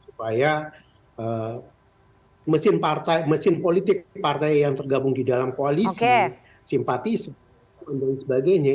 supaya mesin politik partai yang tergabung di dalam koalisi simpatis dan sebagainya